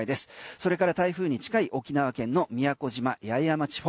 それから台風に近い沖縄県の宮古島・八重山地方